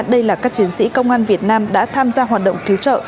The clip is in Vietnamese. đây là các chiến sĩ công an việt nam đã tham gia hoạt động cứu trợ